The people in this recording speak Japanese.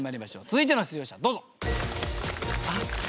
続いての出場者どうぞ。